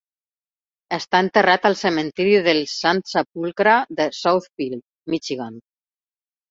Està enterrat al cementiri del Sant Sepulcre de Southfield, Michigan.